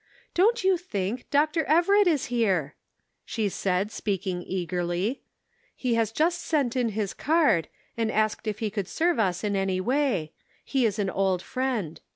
"Don't you think, Dr. Everett is here!" she said, speaking eagerly. " He has just sent in his card, and asked if he could serve us in any way ; he is an old friend.